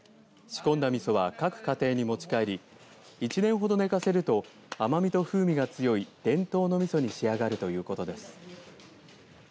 仕込んだみそは各家庭に持ち帰り１年ほど寝かせると甘みと風味が強い伝統のみそに仕上がるということです。